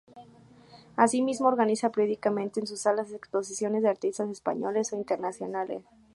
Asimismo organiza periódicamente en sus salas exposiciones de artistas españoles o internacionales.